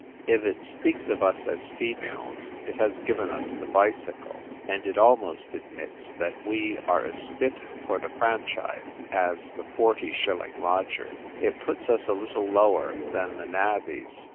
If it speaks of us as females, it has given us the bicycle, and it almost admits that we are as fit for the fran chise as the forty shilling lodger. It puts us a little lower than the navvies.